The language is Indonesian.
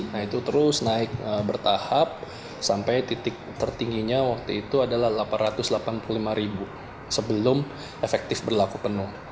nah itu terus naik bertahap sampai titik tertingginya waktu itu adalah delapan ratus delapan puluh lima ribu sebelum efektif berlaku penuh